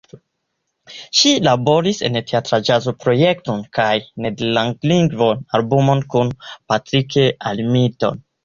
Ŝi laboris en teatro-ĵazoprojekto kaj nederlandlingva albumo kun Patrick Hamilton.